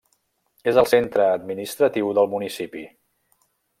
És el centre administratiu del municipi.